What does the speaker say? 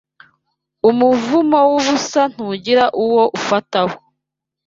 Umuvumo w’ubusa ntugira uwo ufataho